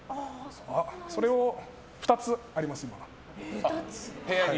それを２つあります、今は。